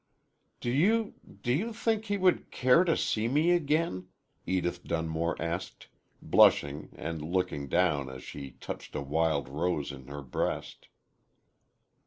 "Do you do you think he would care to see me again?" Edith Dunmore asked, blushing and looking down as she touched a wild rose on her breast.